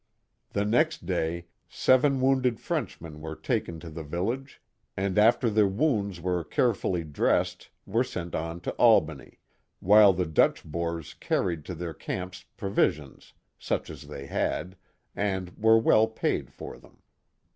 The next day seven wounded Frenchmen were taken to the village, and after their wounds were carefully dressed, were sent on to Albany; while the Dutch Boers " carried to their camps provisions, such as they had, and were well paid for them.